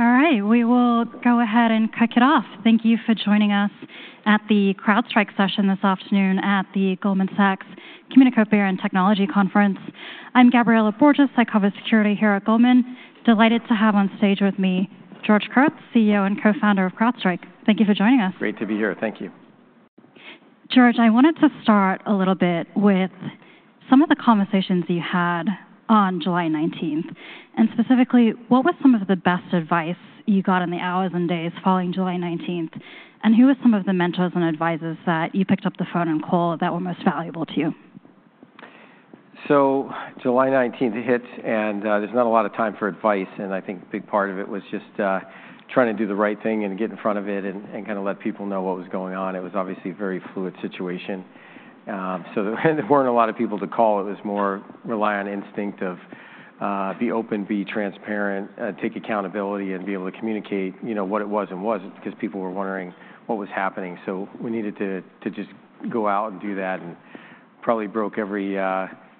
All right, we will go ahead and kick it off. Thank you for joining us at the CrowdStrike session this afternoon at the Goldman Sachs Communications and Technology Conference. I'm Gabriela Borges. I cover security here at Goldman. Delighted to have on stage with me, George Kurtz, CEO and co-founder of CrowdStrike. Thank you for joining us. Great to be here. Thank you. George, I wanted to start a little bit with some of the conversations you had on July 19th, and specifically, what was some of the best advice you got in the hours and days following July 19th? And who were some of the mentors and advisors that you picked up the phone and called that were most valuable to you? July 19th hit, and, there's not a lot of time for advice, and I think a big part of it was just, trying to do the right thing and get in front of it and, and kinda let people know what was going on. It was obviously a very fluid situation. So and there weren't a lot of people to call. It was more rely on instinct of, be open, be transparent, take accountability, and be able to communicate, you know, what it was and wasn't, 'cause people were wondering what was happening. So we needed to just go out and do that, and probably broke every,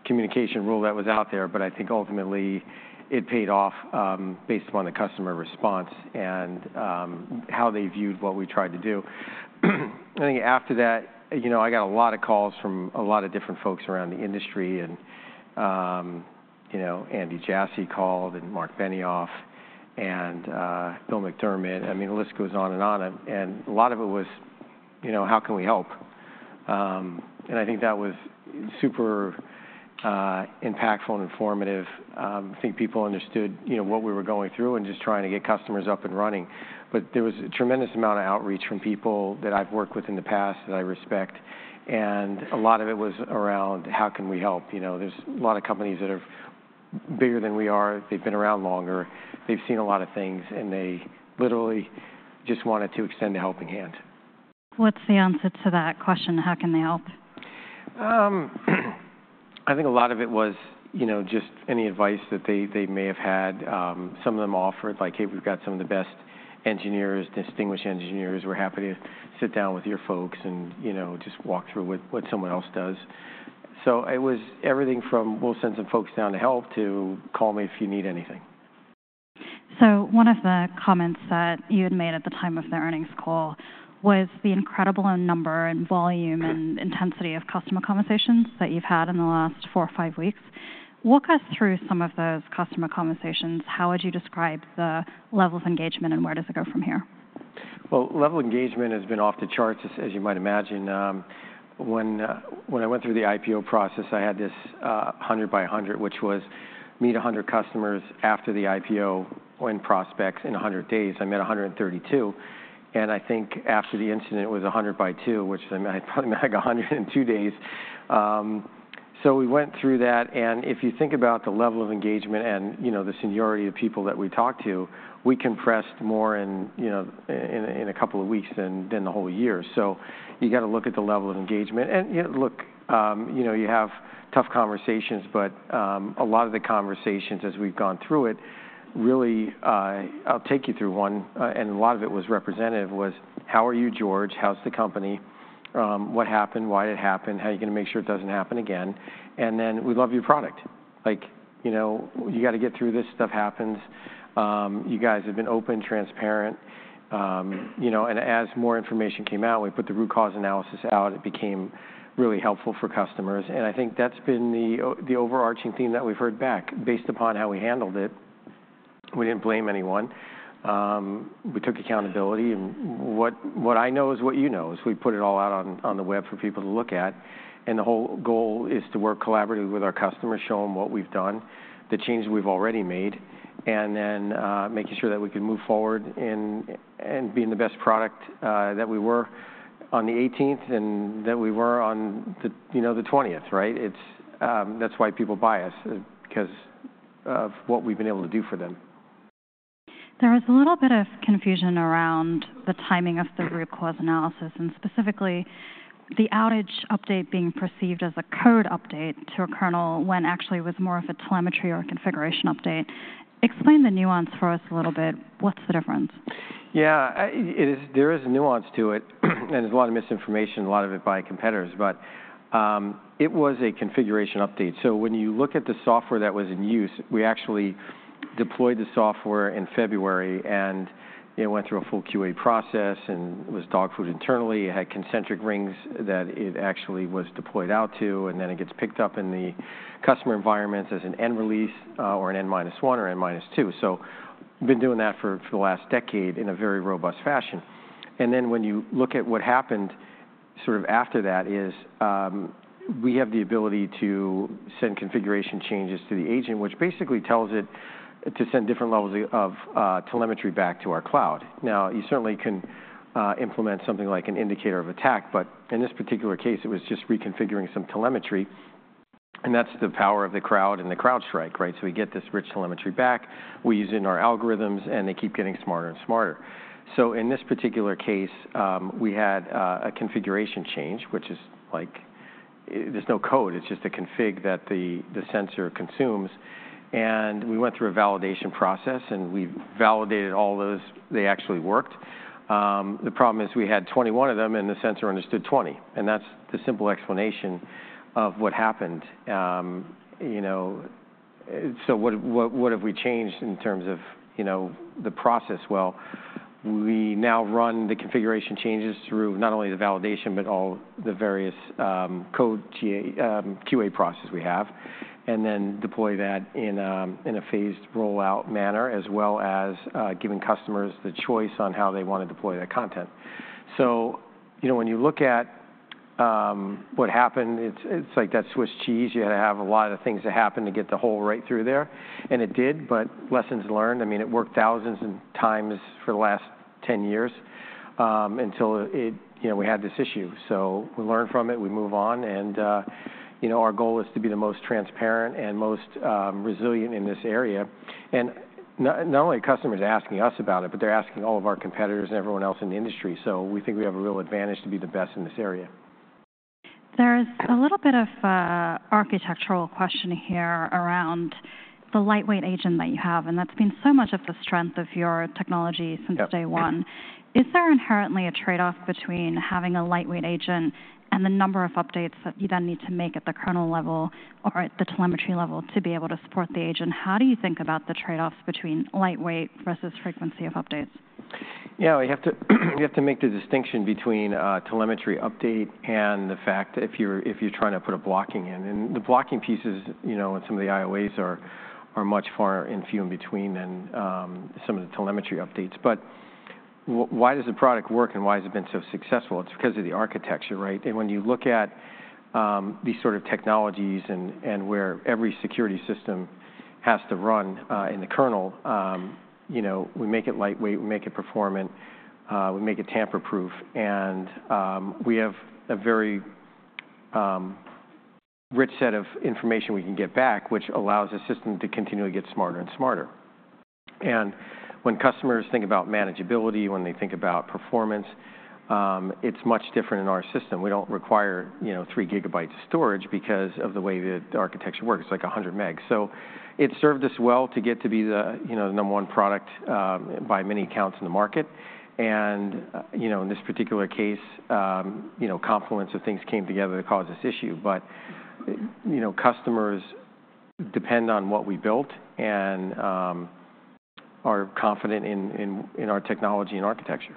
communication rule that was out there. But I think ultimately, it paid off, based upon the customer response and, how they viewed what we tried to do. I think after that, you know, I got a lot of calls from a lot of different folks around the industry, and, you know, Andy Jassy called, and Marc Benioff, and, Bill McDermott. I mean, the list goes on and on, and a lot of it was, "You know, how can we help?" And I think that was super impactful and informative. I think people understood, you know, what we were going through and just trying to get customers up and running. But there was a tremendous amount of outreach from people that I've worked with in the past, that I respect, and a lot of it was around, "How can we help?" You know, there's a lot of companies that are bigger than we are. They've been around longer, they've seen a lot of things, and they literally just wanted to extend a helping hand. What's the answer to that question? How can they help? I think a lot of it was, you know, just any advice that they may have had. Some of them offered, like, "Hey, we've got some of the best engineers, distinguished engineers. We're happy to sit down with your folks and, you know, just walk through what someone else does." It was everything from, "We'll send some folks down to help," to, "Call me if you need anything. One of the comments that you had made at the time of the earnings call was the incredible number and volume and intensity of customer conversations that you've had in the last four or five weeks. Walk us through some of those customer conversations. How would you describe the level of engagement, and where does it go from here? Well, level of engagement has been off the charts, as you might imagine. When I went through the IPO process, I had this 100 by 100, which was meet 100 customers with prospects in 100 days. I met 132, and I think after the incident, it was 100 by 2, which I mean, I had like 102 days. So we went through that, and if you think about the level of engagement and, you know, the seniority of people that we talked to, we compressed more in, you know, in a couple of weeks than the whole year. So you gotta look at the level of engagement. You know, look, you know, you have tough conversations, but a lot of the conversations as we've gone through it, really. I'll take you through one, and a lot of it was representative, was: "How are you, George? How's the company? What happened? Why it happened? How are you gonna make sure it doesn't happen again?" And then, "We love your product." Like, you know, "You gotta get through this. Stuff happens. You guys have been open, transparent." You know, and as more information came out, we put the root cause analysis out, it became really helpful for customers, and I think that's been the overarching theme that we've heard back based upon how we handled it. We didn't blame anyone. We took accountability, and what I know is what you know is we put it all out on the web for people to look at, and the whole goal is to work collaboratively with our customers, show them what we've done, the changes we've already made, and then making sure that we can move forward and being the best product that we were on the eighteenth and that we were on the twentieth, you know, right? It's... That's why people buy us because of what we've been able to do for them. There was a little bit of confusion around the timing of the root cause analysis, and specifically, the outage update being perceived as a code update to a kernel, when actually it was more of a telemetry or configuration update. Explain the nuance for us a little bit. What's the difference? Yeah, it is. There is a nuance to it, and there's a lot of misinformation, a lot of it by competitors. But it was a configuration update. So when you look at the software that was in use, we actually deployed the software in February, and it went through a full QA process and was dogfooded internally. It had concentric rings that it actually was deployed out to, and then it gets picked up in the customer environments as an N release, or an N-1 or N-2. So we've been doing that for the last decade in a very robust fashion. And then, when you look at what happened sort of after that, is, we have the ability to send configuration changes to the agent, which basically tells it to send different levels of telemetry back to our cloud. Now, you certainly can implement something like an indicator of attack, but in this particular case, it was just reconfiguring some telemetry, and that's the power of the crowd and the CrowdStrike, right? So we get this rich telemetry back, we use it in our algorithms, and they keep getting smarter and smarter. So in this particular case, we had a configuration change, which is like there's no code. It's just a config that the sensor consumes, and we went through a validation process, and we validated all those. They actually worked. The problem is we had twenty-one of them, and the sensor understood twenty, and that's the simple explanation of what happened. You know, so what have we changed in terms of the process? We now run the configuration changes through not only the validation but all the various, code GA, QA processes we have, and then deploy that in a phased rollout manner, as well as, giving customers the choice on how they want to deploy that content. You know, when you look at what happened, it's like that Swiss cheese. You had to have a lot of things to happen to get the hole right through there, and it did, but lessons learned. I mean, it worked thousands of times for the last 10 years, until it, you know, we had this issue. We learn from it, we move on, and, you know, our goal is to be the most transparent and most resilient in this area. Not only are customers asking us about it, but they're asking all of our competitors and everyone else in the industry. We think we have a real advantage to be the best in this area. There's a little bit of a architectural question here around the lightweight agent that you have, and that's been so much of the strength of your technology since day one. Yep. Is there inherently a trade-off between having a lightweight agent and the number of updates that you then need to make at the kernel level or at the telemetry level to be able to support the agent? How do you think about the trade-offs between lightweight versus frequency of updates? Yeah, we have to, we have to make the distinction between a telemetry update and the fact if you're, if you're trying to put a blocking in, and the blocking pieces, you know, and some of the IOAs are much far and few in between than some of the telemetry updates, but why does the product work, and why has it been so successful? It's because of the architecture, right, and when you look at these sort of technologies and where every security system has to run in the kernel, you know, we make it lightweight, we make it performant, we make it tamper-proof, and we have a very rich set of information we can get back, which allows the system to continually get smarter and smarter. And when customers think about manageability, when they think about performance, it's much different in our system. We don't require, you know, three gigabytes of storage because of the way the architecture works. It's, like, a hundred megs. So it served us well to get to be the, you know, the number one product, by many accounts in the market. And, you know, in this particular case, you know, confluence of things came together to cause this issue. But, you know, customers depend on what we built and, are confident in our technology and architecture.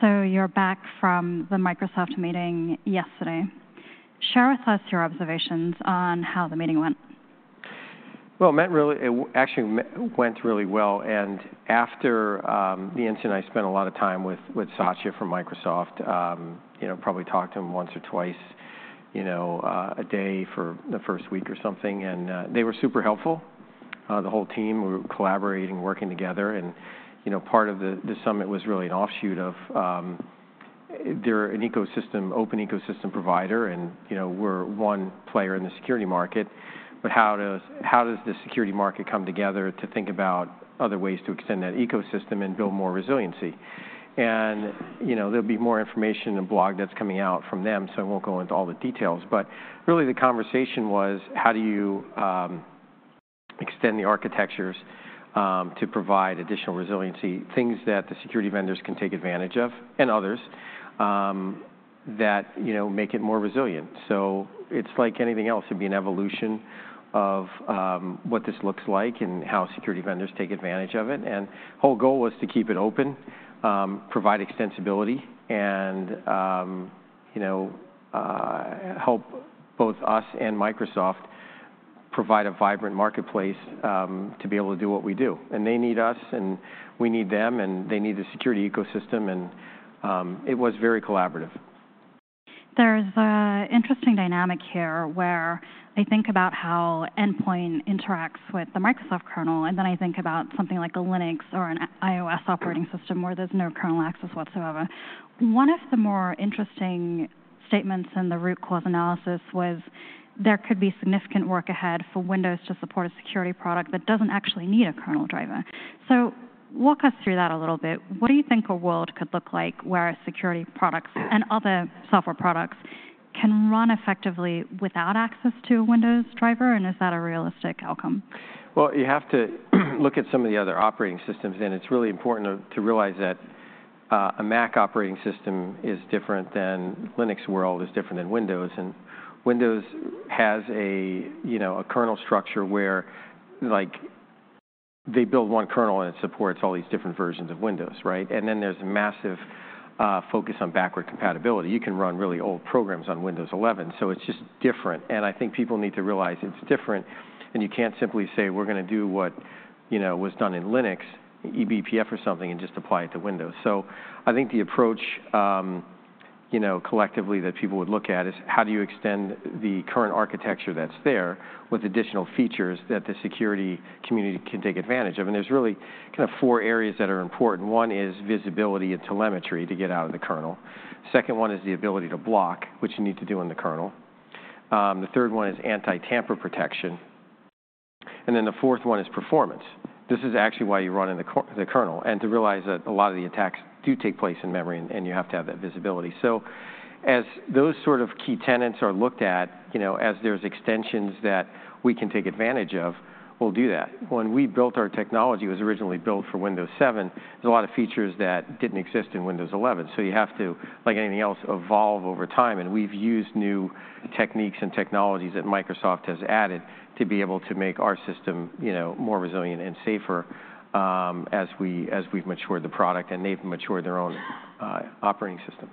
So you're back from the Microsoft meeting yesterday. Share with us your observations on how the meeting went. Well, it actually went really well, and after the incident, I spent a lot of time with Satya from Microsoft. You know, probably talked to him once or twice, you know, a day for the first week or something, and they were super helpful. The whole team, we were collaborating, working together, and you know, part of the summit was really an offshoot of. They're an ecosystem, open ecosystem provider, and you know, we're one player in the security market, but how does the security market come together to think about other ways to extend that ecosystem and build more resiliency? And you know, there'll be more information in a blog that's coming out from them, so I won't go into all the details. But really, the conversation was: How do you extend the architectures to provide additional resiliency, things that the security vendors can take advantage of, and others that, you know, make it more resilient? So it's like anything else. It'd be an evolution of what this looks like and how security vendors take advantage of it. And whole goal was to keep it open, provide extensibility, and, you know, help both us and Microsoft provide a vibrant marketplace to be able to do what we do. And they need us, and we need them, and they need the security ecosystem, and it was very collaborative. There's an interesting dynamic here where I think about how Endpoint interacts with the Microsoft kernel, and then I think about something like a Linux or an iOS operating system, where there's no kernel access whatsoever. One of the more interesting statements in the root cause analysis was there could be significant work ahead for Windows to support a security product that doesn't actually need a kernel driver. So walk us through that a little bit. What do you think a world could look like where security products and other software products can run effectively without access to a Windows driver, and is that a realistic outcome? You have to look at some of the other operating systems, and it's really important to realize that a Mac operating system is different than Linux world, is different than Windows. And Windows has a you know a kernel structure where like they build one kernel, and it supports all these different versions of Windows, right? And then there's a massive focus on backward compatibility. You can run really old programs on Windows 11, so it's just different. And I think people need to realize it's different, and you can't simply say: We're gonna do what you know was done in Linux, eBPF or something, and just apply it to Windows. So I think the approach you know collectively that people would look at is: How do you extend the current architecture that's there with additional features that the security community can take advantage of? And there's really kind of four areas that are important. One is visibility and telemetry to get out of the kernel. Second one is the ability to block, which you need to do in the kernel. The third one is anti-tamper protection. And then the fourth one is performance. This is actually why you run in the kernel, and to realize that a lot of the attacks do take place in memory, and you have to have that visibility. So as those sort of key tenets are looked at, you know, as there's extensions that we can take advantage of, we'll do that. When we built our technology, it was originally built for Windows 7. There's a lot of features that didn't exist in Windows 11, so you have to, like anything else, evolve over time, and we've used new techniques and technologies that Microsoft has added to be able to make our system, you know, more resilient and safer, as we, as we've matured the product and they've matured their own, operating system.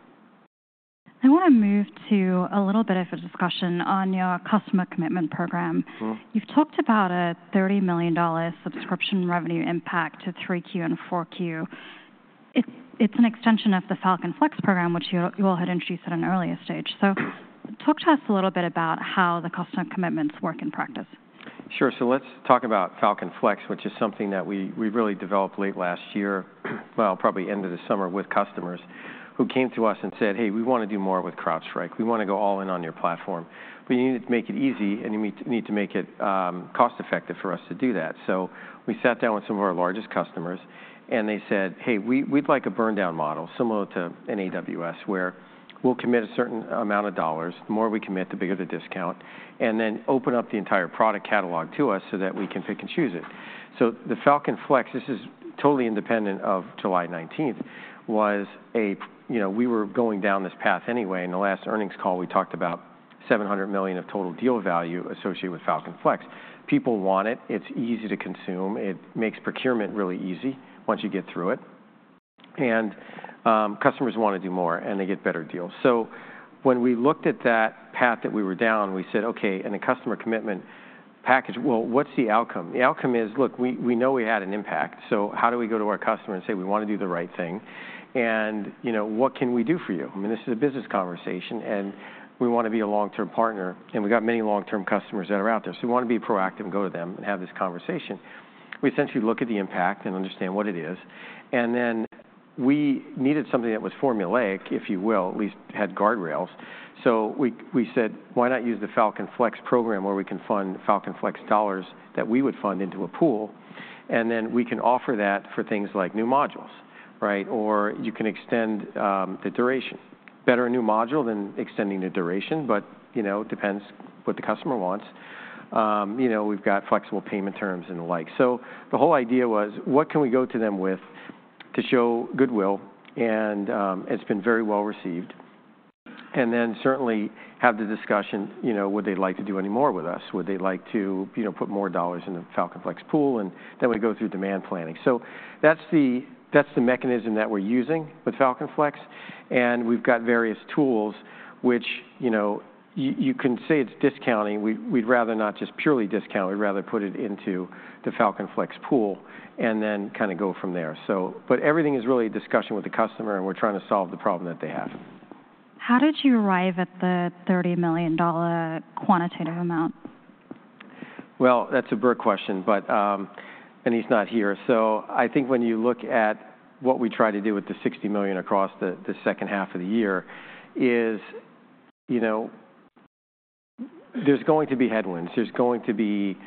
I want to move to a little bit of a discussion on your customer commitment program. Mm-hmm. You've talked about a $30 million subscription revenue impact to 3Q and 4Q. It's an extension of the Falcon Flex program, which you all had introduced at an earlier stage. So talk to us a little bit about how the customer commitments work in practice. Sure. So let's talk about Falcon Flex, which is something that we really developed late last year, well, probably end of the summer, with customers who came to us and said, "Hey, we want to do more with CrowdStrike. We want to go all in on your platform. We need to make it easy, and you need to make it cost-effective for us to do that." So we sat down with some of our largest customers, and they said, "Hey, we'd like a burn-down model similar to an AWS, where we'll commit a certain amount of dollars. The more we commit, the bigger the discount, and then open up the entire product catalog to us so that we can pick and choose it." So the Falcon Flex, this is totally independent of July 19th, was a. You know, we were going down this path anyway. In the last earnings call, we talked about $700 million of total deal value associated with Falcon Flex. People want it. It's easy to consume. It makes procurement really easy once you get through it, and, customers want to do more, and they get better deals. So when we looked at that path that we were down, we said, "Okay," in a Customer Commitment Package, "Well, what's the outcome?" The outcome is, look, we know we had an impact, so how do we go to our customer and say, "We want to do the right thing, and, you know, what can we do for you?" I mean, this is a business conversation, and we want to be a long-term partner, and we've got many long-term customers that are out there. So we want to be proactive and go to them and have this conversation. We essentially look at the impact and understand what it is, and then we needed something that was formulaic, if you will, at least had guardrails, so we said, "Why not use the Falcon Flex program, where we can fund Falcon Flex dollars that we would fund into a pool, and then we can offer that for things like new modules, right? Or you can extend the duration." Better a new module than extending the duration, but, you know, it depends what the customer wants. You know, we've got flexible payment terms and the like, so the whole idea was, what can we go to them with to show goodwill, and it's been very well-received, and then certainly have the discussion, you know, would they like to do any more with us? Would they like to, you know, put more dollars in the Falcon Flex pool? Then we go through demand planning. So that's the mechanism that we're using with Falcon Flex, and we've got various tools which, you know, you can say it's discounting. We'd rather not just purely discount. We'd rather put it into the Falcon Flex pool and then kind of go from there. But everything is really a discussion with the customer, and we're trying to solve the problem that they have. How did you arrive at the $30 million quantitative amount? Well, that's a Burt question, but. And he's not here. So I think when you look at what we try to do with the $60 million across the second half of the year is, you know, there's going to be headwinds. There's going to be.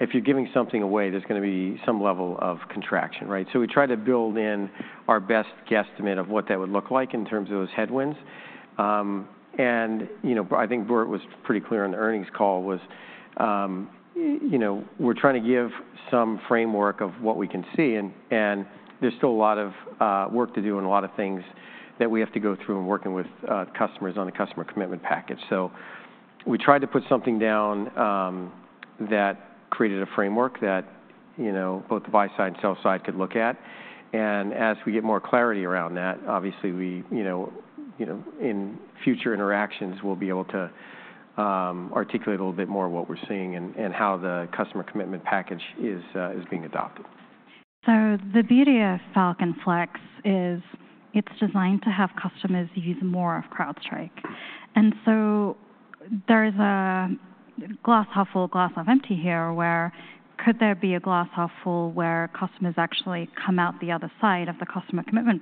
If you're giving something away, there's gonna be some level of contraction, right? So we try to build in our best guesstimate of what that would look like in terms of those headwinds. And, you know, I think Burt was pretty clear on the earnings call, was, you know, we're trying to give some framework of what we can see, and there's still a lot of work to do and a lot of things that we have to go through in working with customers on the customer commitment package. So we tried to put something down that created a framework that, you know, both the buy side and sell side could look at. And as we get more clarity around that, obviously we, you know, in future interactions, we'll be able to articulate a little bit more what we're seeing and how the customer commitment package is being adopted. So the beauty of Falcon Flex is it's designed to have customers use more of CrowdStrike. And so there's a glass half full, glass half empty here, where could there be a glass half full, where customers actually come out the other side of the customer commitment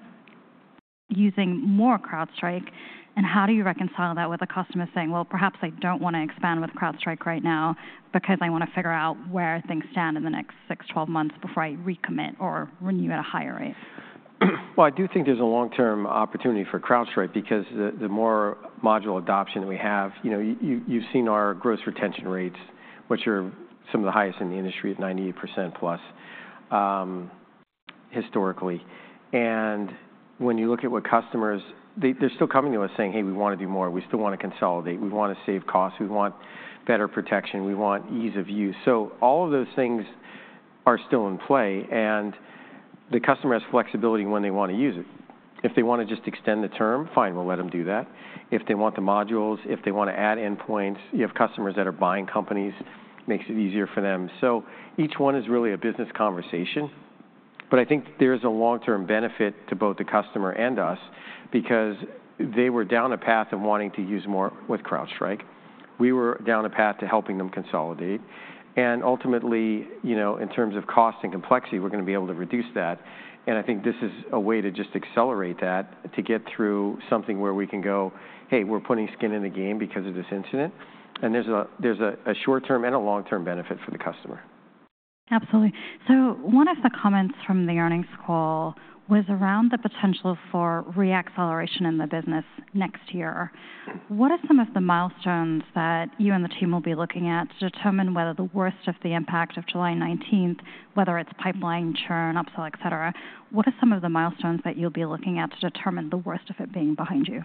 using more CrowdStrike? And how do you reconcile that with a customer saying, "Well, perhaps I don't want to expand with CrowdStrike right now, because I want to figure out where things stand in the next six, twelve months before I recommit or renew at a higher rate? I do think there's a long-term opportunity for CrowdStrike because the more module adoption we have. You know, you've seen our gross retention rates, which are some of the highest in the industry at 98% plus, historically. And when you look at what customers. They’re still coming to us saying: Hey, we want to do more. We still want to consolidate. We want to save costs. We want better protection. We want ease of use. So all of those things are still in play, and the customer has flexibility when they want to use it. If they want to just extend the term, fine, we'll let them do that. If they want the modules, if they want to add endpoints, you have customers that are buying companies, makes it easier for them. So each one is really a business conversation, but I think there is a long-term benefit to both the customer and us because they were down a path of wanting to use more with CrowdStrike. We were down a path to helping them consolidate, and ultimately, you know, in terms of cost and complexity, we're going to be able to reduce that. And I think this is a way to just accelerate that, to get through something where we can go, "Hey, we're putting skin in the game because of this incident." And there's a short-term and a long-term benefit for the customer.... Absolutely, so one of the comments from the earnings call was around the potential for re-acceleration in the business next year. What are some of the milestones that you and the team will be looking at to determine whether the worst of the impact of July 19th, whether it's pipeline churn, upsell, et cetera? What are some of the milestones that you'll be looking at to determine the worst of it being behind you?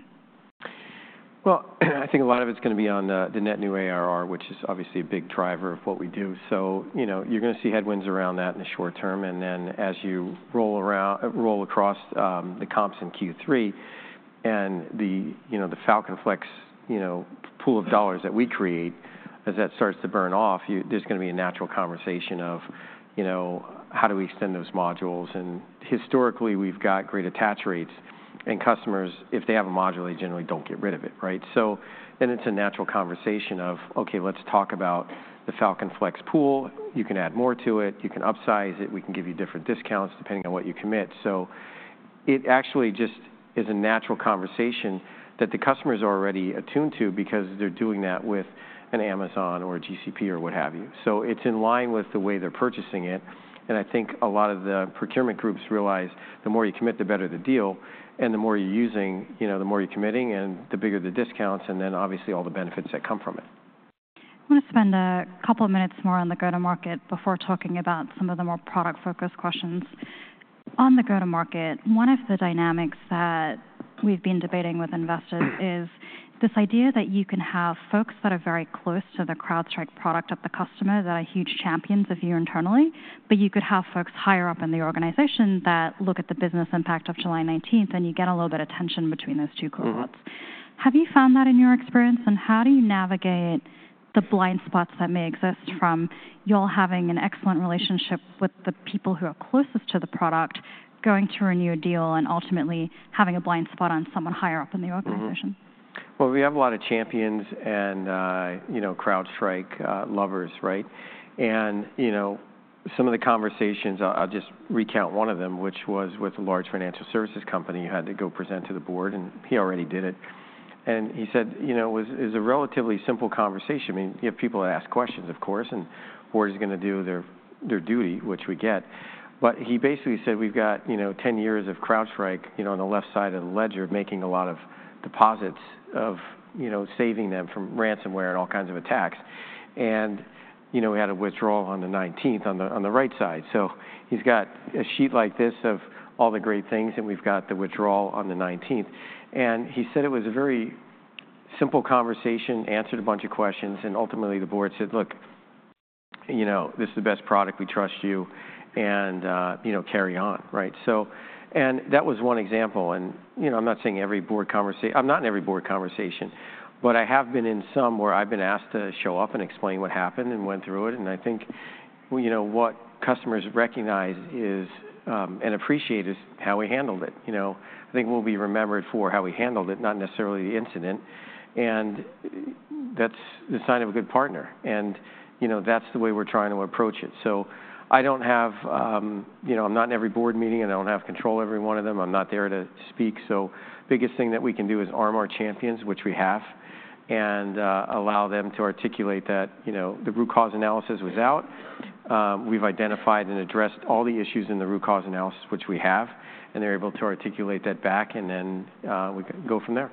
I think a lot of it's going to be on the net new ARR, which is obviously a big driver of what we do. So, you know, you're going to see headwinds around that in the short term, and then as you roll across the comps in Q3 and the, you know, the Falcon Flex, you know, pool of dollars that we create, as that starts to burn off, there's going to be a natural conversation of, you know, how do we extend those modules? And historically, we've got great attach rates, and customers, if they have a module, they generally don't get rid of it, right? So then it's a natural conversation of, "Okay, let's talk about the Falcon Flex pool. You can add more to it. You can upsize it. We can give you different discounts depending on what you commit." So it actually just is a natural conversation that the customers are already attuned to because they're doing that with an Amazon or a GCP or what have you. So it's in line with the way they're purchasing it, and I think a lot of the procurement groups realize the more you commit, the better the deal, and the more you're using, you know, the more you're committing and the bigger the discounts, and then obviously, all the benefits that come from it. I want to spend a couple of minutes more on the go-to-market before talking about some of the more product-focused questions. On the go-to-market, one of the dynamics that we've been debating with investors- Mm-hmm... is this idea that you can have folks that are very close to the CrowdStrike product at the customer, that are huge champions of you internally, but you could have folks higher up in the organization that look at the business impact of July 19th, and you get a little bit of tension between those two cohorts. Mm-hmm. Have you found that in your experience, and how do you navigate the blind spots that may exist from you all having an excellent relationship with the people who are closest to the product, going to renew a deal, and ultimately having a blind spot on someone higher up in the organization? Mm-hmm. Well, we have a lot of champions and, you know, CrowdStrike lovers, right? And, you know, some of the conversations, I'll just recount one of them, which was with a large financial services company, who had to go present to the board, and he already did it. And he said, "You know, it was a relatively simple conversation." I mean, you have people that ask questions, of course, and the board is going to do their duty, which we get. But he basically said: "We've got, you know, ten years of CrowdStrike, you know, on the left side of the ledger, making a lot of deposits of, you know, saving them from ransomware and all kinds of attacks. You know, we had a withdrawal on the 19th on the right side. He's got a sheet like this of all the great things, and we've got the withdrawal on the 19th. He said it was a very simple conversation, answered a bunch of questions, and ultimately the board said: "Look, you know, this is the best product. We trust you, and you know, carry on." Right? That was one example, and you know, I'm not in every board conversation, but I have been in some where I've been asked to show up and explain what happened and went through it, and I think, well, you know, what customers recognize and appreciate is how we handled it. You know, I think we'll be remembered for how we handled it, not necessarily the incident, and that's the sign of a good partner, and you know, that's the way we're trying to approach it, so I don't have, you know, I'm not in every board meeting, and I don't have control over every one of them. I'm not there to speak, so the biggest thing that we can do is arm our champions, which we have, and allow them to articulate that, you know, the root cause analysis was out. We've identified and addressed all the issues in the root cause analysis, which we have, and they're able to articulate that back, and then we go from there.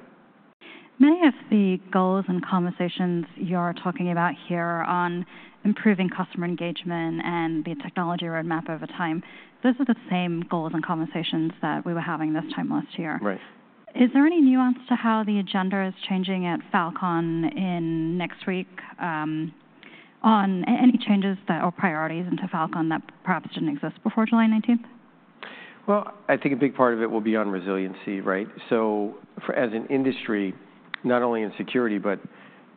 Many of the goals and conversations you're talking about here on improving customer engagement and the technology roadmap over time, those are the same goals and conversations that we were having this time last year. Right. Is there any nuance to how the agenda is changing at Falcon in next week, on any changes that or priorities into Falcon that perhaps didn't exist before July 19th? I think a big part of it will be on resiliency, right? So for, as an industry, not only in security, but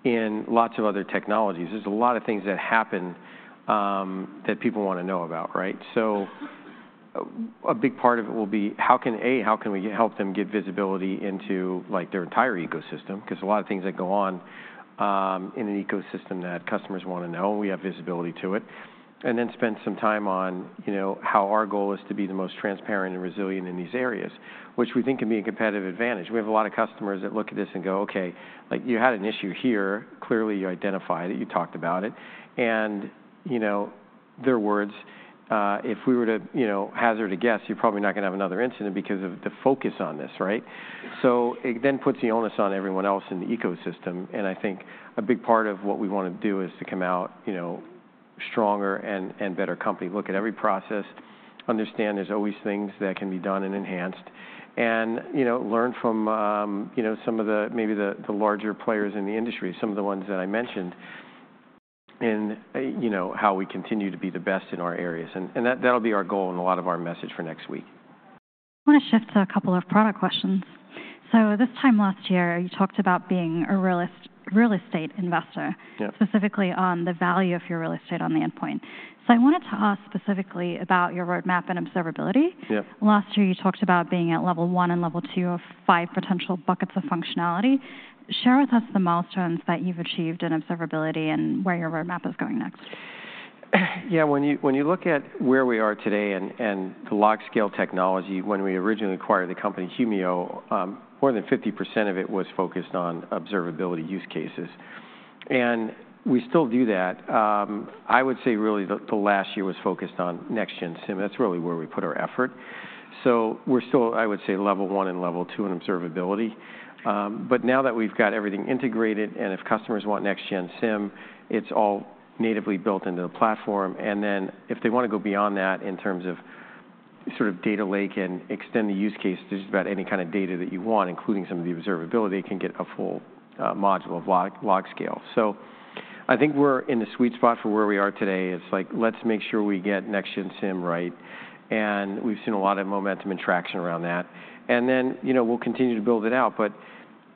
in lots of other technologies, there's a lot of things that happen, that people want to know about, right? So a big part of it will be how can we help them get visibility into, like, their entire ecosystem? Because a lot of things that go on, in an ecosystem that customers want to know, we have visibility to it. And then spend some time on, you know, how our goal is to be the most transparent and resilient in these areas, which we think can be a competitive advantage. We have a lot of customers that look at this and go, "Okay, like, you had an issue here. Clearly, you identified it. You talked about it." And, you know, their words, "If we were to, you know, hazard a guess, you're probably not going to have another incident because of the focus on this, right?" So it then puts the onus on everyone else in the ecosystem, and I think a big part of what we want to do is to come out, you know, stronger and better company, look at every process, understand there's always things that can be done and enhanced, and, you know, learn from, you know, some of the, maybe the larger players in the industry, some of the ones that I mentioned, and, you know, how we continue to be the best in our areas. And that, that'll be our goal and a lot of our message for next week. I want to shift to a couple of product questions. So this time last year, you talked about being a real estate investor- Yeah... specifically on the value of your real estate on the endpoint. So I wanted to ask specifically about your roadmap and observability. Yeah. Last year, you talked about being at level one and level two of five potential buckets of functionality. Share with us the milestones that you've achieved in observability and where your roadmap is going next. Yeah, when you look at where we are today and the LogScale technology, when we originally acquired the company, Humio, more than 50% of it was focused on observability use cases. And we still do that. I would say really the last year was focused on Next-Gen SIEM. That's really where we put our effort. So we're still, I would say, level one and level two in observability. But now that we've got everything integrated, and if customers want Next-Gen SIEM, it's all natively built into the platform. And then if they want to go beyond that in terms of sort of data lake and extend the use case to just about any kind of data that you want, including some of the observability, can get a full module of LogScale. So I think we're in the sweet spot for where we are today. It's like, let's make sure we get next-gen SIEM right, and we've seen a lot of momentum and traction around that. And then, you know, we'll continue to build it out, but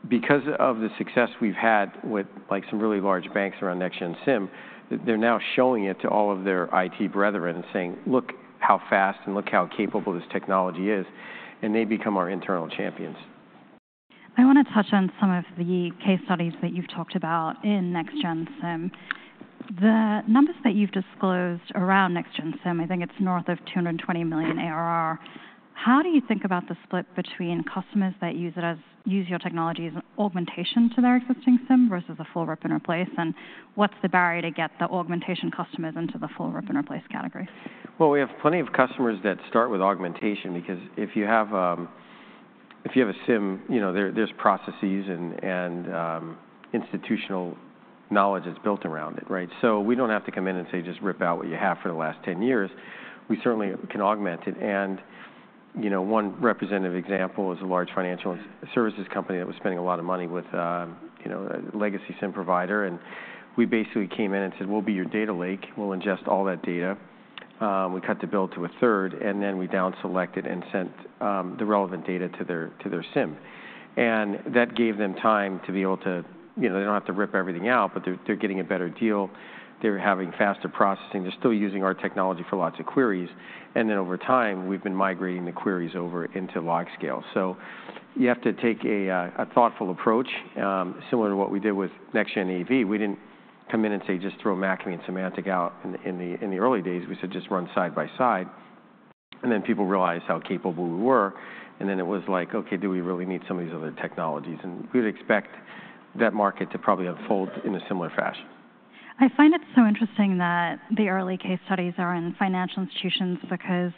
because of the success we've had with, like, some really large banks around next-gen SIEM, they're now showing it to all of their IT brethren and saying, "Look how fast and look how capable this technology is," and they become our internal champions. I want to touch on some of the case studies that you've talked about in next-gen SIEM. The numbers that you've disclosed around next-gen SIEM, I think it's north of $220 million ARR. How do you think about the split between customers that use your technology as an augmentation to their existing SIEM versus a full rip and replace? And what's the barrier to get the augmentation customers into the full rip and replace category? We have plenty of customers that start with augmentation because if you have a SIEM, you know, there's processes and institutional knowledge that's built around it, right? So we don't have to come in and say, "Just rip out what you have for the last ten years." We certainly can augment it. And, you know, one representative example is a large financial services company that was spending a lot of money with, you know, a Legacy SIEM provider, and we basically came in and said, "We'll be your data lake. We'll ingest all that data." We cut the bill to a third, and then we down selected and sent the relevant data to their SIEM. And that gave them time to be able to... You know, they don't have to rip everything out, but they're getting a better deal. They're having faster processing. They're still using our technology for lots of queries, and then over time, we've been migrating the queries over into LogScale. So you have to take a thoughtful approach, similar to what we did with next-gen AV. We didn't come in and say, "Just throw McAfee and Symantec out." In the early days, we said, "Just run side by side," and then people realized how capable we were, and then it was like: Okay, do we really need some of these other technologies? and we'd expect that market to probably unfold in a similar fashion. I find it so interesting that the early case studies are in financial institutions because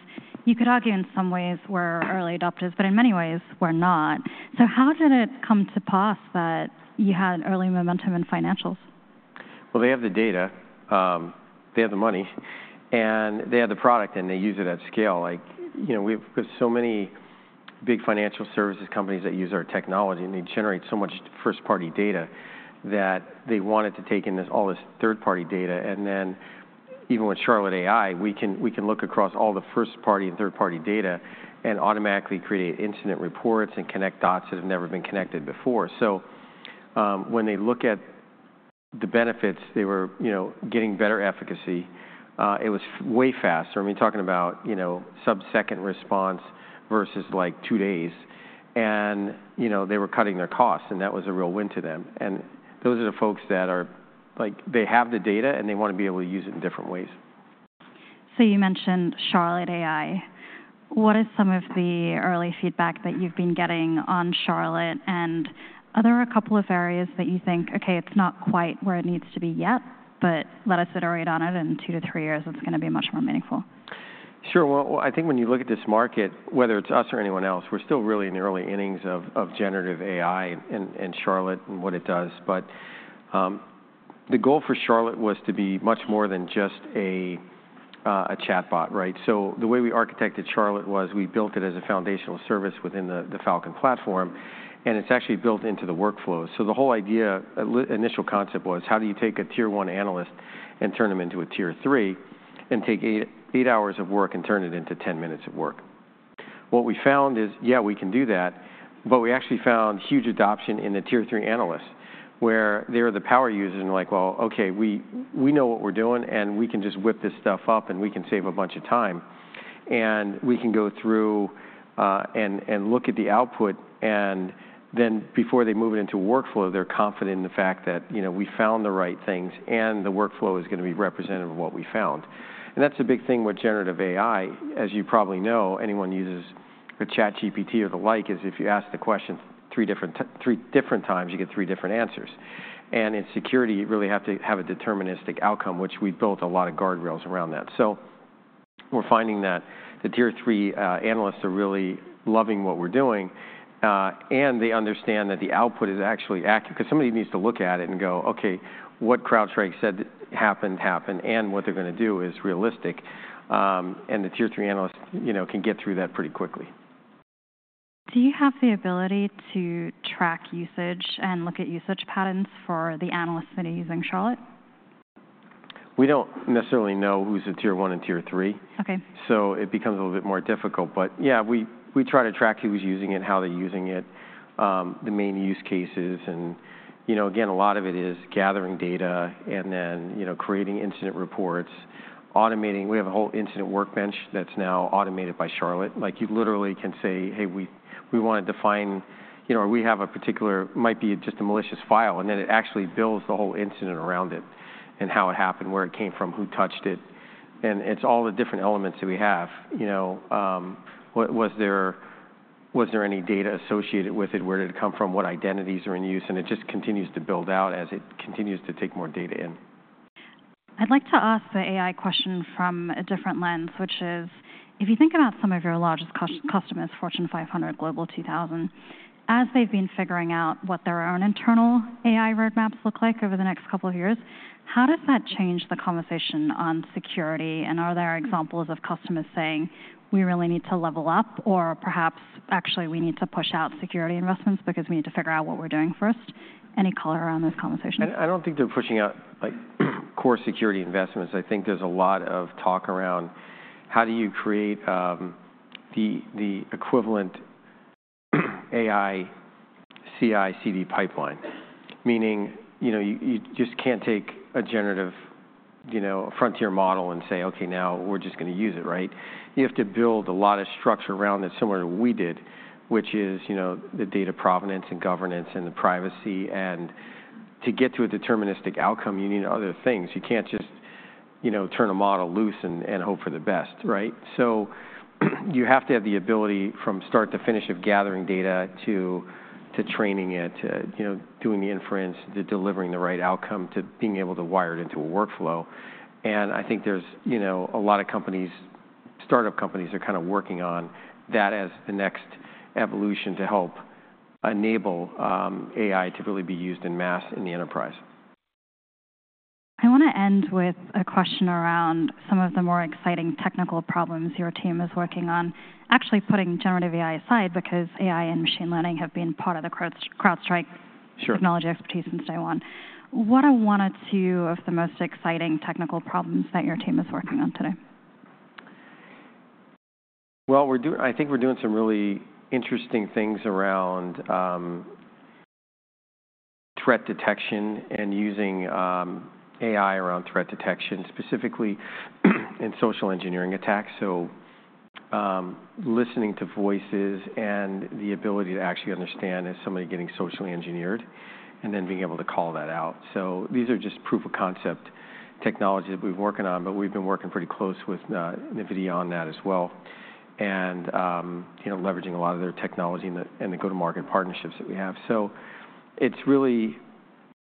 you could argue in some ways we're early adopters, but in many ways we're not. So how did it come to pass that you had early momentum in financials? They have the data, they have the money, and they have the product, and they use it at scale. Like, you know, we've got so many big financial services companies that use our technology, and they generate so much first-party data, that they wanted to take in this, all this third-party data, and then even with Charlotte AI, we can look across all the first-party and third-party data and automatically create incident reports and connect dots that have never been connected before, so when they look at the benefits, they were, you know, getting better efficacy. It was way faster. I mean, talking about, you know, sub-second response versus, like, two days, and you know, they were cutting their costs, and that was a real win to them. Those are the folks that are, like, they have the data, and they want to be able to use it in different ways. So you mentioned Charlotte AI. What is some of the early feedback that you've been getting on Charlotte, and are there a couple of areas that you think, "Okay, it's not quite where it needs to be yet, but let us iterate on it, in two to three years, it's going to be much more meaningful? Sure. Well, I think when you look at this market, whether it's us or anyone else, we're still really in the early innings of generative AI and Charlotte and what it does. But the goal for Charlotte was to be much more than just a chatbot, right? So the way we architected Charlotte was we built it as a foundational service within the Falcon platform, and it's actually built into the workflow. So the whole idea initial concept was: How do you take a tier 1 analyst and turn them into a tier 3 and take eight hours of work and turn it into 10 minutes of work? What we found is, yeah, we can do that, but we actually found huge adoption in the tier 3 analysts, where they're the power users, and, like, "Well, okay, we know what we're doing, and we can just whip this stuff up, and we can save a bunch of time. And we can go through and look at the output." And then before they move it into workflow, they're confident in the fact that, you know, we found the right things, and the workflow is going to be representative of what we found. And that's a big thing with generative AI. As you probably know, anyone who uses a ChatGPT or the like is, if you ask the question three different times, you get three different answers. In security, you really have to have a deterministic outcome, which we've built a lot of guardrails around that. So we're finding that the tier 3 analysts are really loving what we're doing, and they understand that the output is actually accurate, because somebody needs to look at it and go, "Okay, what CrowdStrike said happened, happened, and what they're going to do is realistic." The tier 3 analysts, you know, can get through that pretty quickly. Do you have the ability to track usage and look at usage patterns for the analysts that are using Charlotte? We don't necessarily know who's a tier 1 and tier 3. Okay. So it becomes a little bit more difficult. But yeah, we try to track who's using it, how they're using it, the main use cases. And, you know, again, a lot of it is gathering data and then, you know, creating incident reports, automating. We have a whole incident workbench that's now automated by Charlotte. Like, you literally can say: "Hey, we want to define..." You know, or "We have a particular..." Might be just a malicious file, and then it actually builds the whole incident around it and how it happened, where it came from, who touched it. And it's all the different elements that we have. You know, was there any data associated with it? Where did it come from? What identities are in use? And it just continues to build out as it continues to take more data in. I'd like to ask the AI question from a different lens, which is, if you think about some of your largest customers, Fortune 500 Global 2000, as they've been figuring out what their own internal AI roadmaps look like over the next couple of years, how does that change the conversation on security? And are there examples of customers saying, "We really need to level up," or perhaps, "Actually, we need to push out security investments because we need to figure out what we're doing first"? Any color around those conversations? I don't think they're pushing out, like, core security investments. I think there's a lot of talk around: how do you create the equivalent AI CI/CD pipeline? Meaning, you know, you just can't take a generative, you know, frontier model and say, "Okay, now we're just gonna use it," right? You have to build a lot of structure around it, similar to we did, which is, you know, the data provenance and governance and the privacy, and to get to a deterministic outcome, you need other things. You can't just, you know, turn a model loose and hope for the best, right? So you have to have the ability from start to finish of gathering data to training it, to, you know, doing the inference, to delivering the right outcome, to being able to wire it into a workflow. And I think there's, you know, a lot of companies, startup companies, are kinda working on that as the next evolution to help enable, AI to really be used en masse in the enterprise. I wanna end with a question around some of the more exciting technical problems your team is working on, actually putting generative AI aside, because AI and machine learning have been part of the CrowdStrike- Sure... technology expertise since day one. What are one or two of the most exciting technical problems that your team is working on today? We're doing, I think we're doing some really interesting things around threat detection and using AI around threat detection, specifically in social engineering attacks, listening to voices and the ability to actually understand if somebody's getting socially engineered and then being able to call that out. These are just proof-of-concept technology that we've working on, but we've been working pretty close with NVIDIA on that as well, and you know, leveraging a lot of their technology and the go-to-market partnerships that we have. It's really.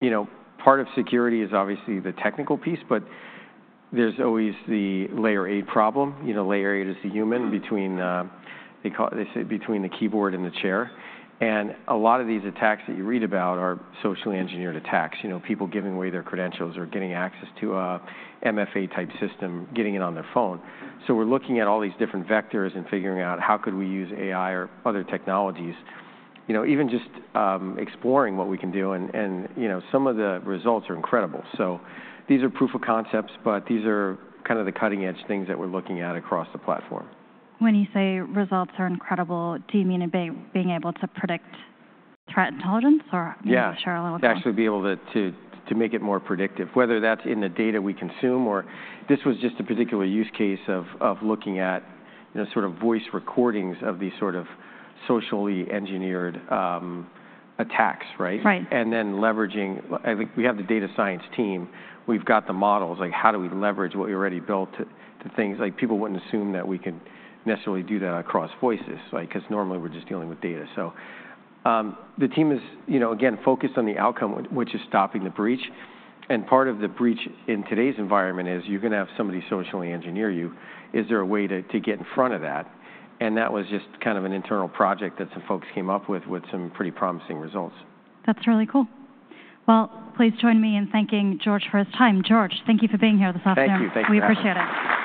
You know, part of security is obviously the technical piece, but there's always the Layer 8 problem. You know, Layer 8 is the human between, they call, they say between the keyboard and the chair, and a lot of these attacks that you read about are socially engineered attacks. You know, people giving away their credentials or getting access to a MFA-type system, getting it on their phone. So we're looking at all these different vectors and figuring out: how could we use AI or other technologies? You know, even just exploring what we can do, and you know, some of the results are incredible. So these are proof of concepts, but these are kinda the cutting-edge things that we're looking at across the platform. When you say results are incredible, do you mean it being able to predict threat intelligence, or- Yeah share a little more? To actually be able to make it more predictive, whether that's in the data we consume or... This was just a particular use case of looking at, you know, sort of voice recordings of these sort of socially engineered attacks, right? Right. And then leveraging... I think we have the data science team. We've got the models. Like, how do we leverage what we already built to things like people wouldn't assume that we can necessarily do that across voices, like, 'cause normally we're just dealing with data. So the team is, you know, again, focused on the outcome, which is stopping the breach, and part of the breach in today's environment is you're gonna have somebody socially engineer you. Is there a way to get in front of that? And that was just kind of an internal project that some folks came up with, with some pretty promising results. That's really cool. Well, please join me in thanking George for his time. George, thank you for being here this afternoon. Thank you. Thank you for having me. We appreciate it.